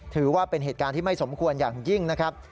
ถือว่าเป็นเหตุการณ์ที่ไม่สมควรอย่างยิ่งนะครับ